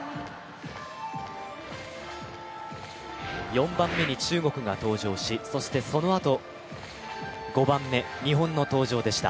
４番目に中国が登場し、そのあと５番目、日本の登場でした。